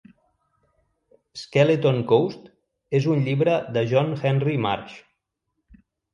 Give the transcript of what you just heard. "Skeleton Coast" és un llibre de John Henry Marsh.